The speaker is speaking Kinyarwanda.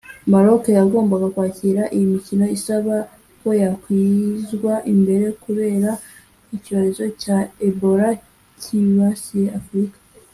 Maroc yagombaga kwakira iyi mikino isaba ko yakwigizwa imbere kubera icyorezo cya Ebola kibasiye Afurika